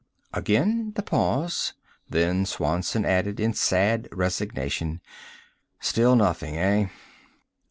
Again the pause. Then Swanson asked in sad resignation, "Still nothing, eh?"